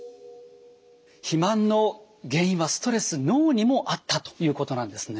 肥満の原因はストレス脳にもあったということなんですね。